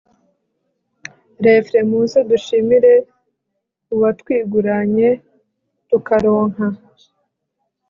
r/ muze dushimire uwatwiguranye tukaronka